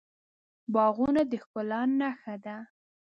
باغونه د ښکلا نښه ده.